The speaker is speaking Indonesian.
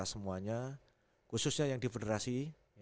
semuanya khususnya yang di federasi